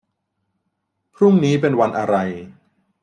พรุ่งนี้เป็นวันอะไร